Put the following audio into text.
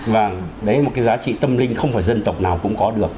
vâng đấy là một cái giá trị tâm linh không phải dân tộc nào cũng có được